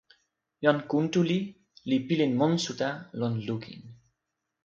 jan Kuntuli li pilin monsuta lon lukin.